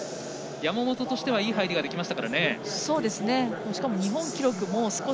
山本としてはいい入りができました。